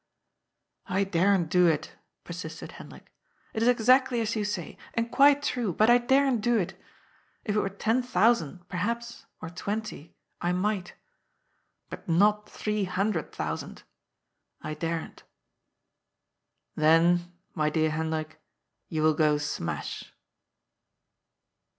" I daren't do it," persisted Hendrik. " It is exactly as you say. And quite true. But I daren't do it. If it were ten thousand, perhaps, or twenty, I might ! But not three hundred thousand. I daren't." " Then, my dear Hendrik, you will go smash.'